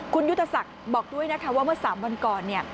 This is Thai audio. คุณยุตสักบอกด้วยนะคะว่าเมื่อ๓วันก่อน